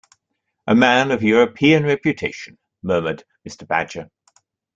"A man of European reputation," murmured Mr. Badger.